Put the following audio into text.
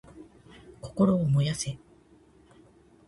心を燃やせ！